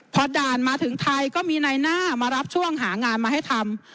พอด่านมาถึงไทยก็มีนายหน้ามารับช่วงหางานมาให้ทำ